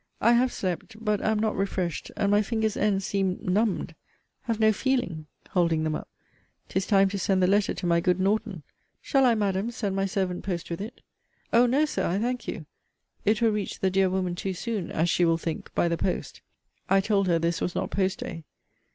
I have slept, but am not refreshed, and my fingers' ends seem numbed have no feeling! (holding them up,) 'tis time to send the letter to my good Norton. Shall I, Madam, send my servant post with it? O no, Sir, I thank you. It will reach the dear woman too soon, (as she will think,) by the post. I told her this was not post day.